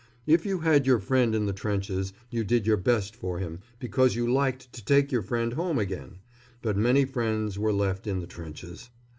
If you had your friend in the trenches you did your best for him, because you liked to take your friend home again; but many friends were left in the trenches.